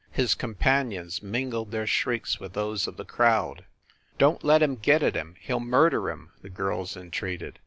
His companions mingled their shrieks with those of the crowd. "Don t let him get at him! He ll murder him!" the girls entreated.